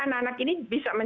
bisa kita jadikan